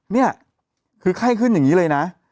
นี่คือไข้ขึ้นอย่างนี้เลยนะ